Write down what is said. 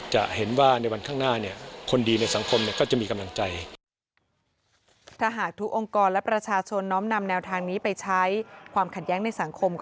จะเห็นว่าในวันข้างหน้าคนดีในสังคมก็จะมีกำลังใจ